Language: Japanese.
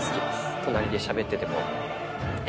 隣でしゃべってても、え？